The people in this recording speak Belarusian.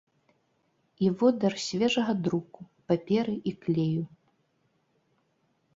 І водар свежага друку, паперы і клею.